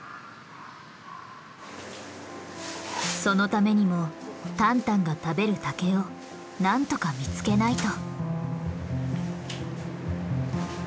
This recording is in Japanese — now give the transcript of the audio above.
そのためにもタンタンが食べる竹をなんとか見つけないと。